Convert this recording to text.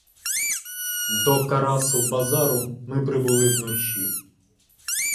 До Карасу-Базару ми прибули вночі.